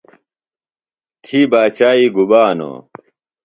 تھی باچائی گُبا نو؟